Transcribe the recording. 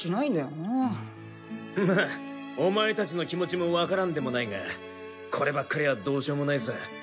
まぁお前たちの気持ちもわからんでもないがこればっかりはどうしようもないさ。